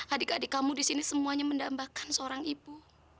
adik adik kamu di sini semuanya mendambakan seorang ibu